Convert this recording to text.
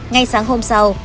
ngày sáng hôm sau